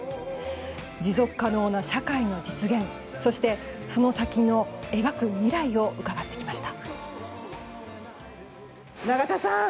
持続可能な社会の実現そして、その先の描く未来を伺ってきました。